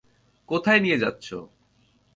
কোথায় নিয়ে যাচ্ছো?